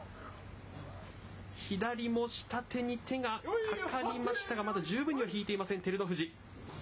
左も下手に手がかかりましたが、まだ十分には引いていません、照ノ富士。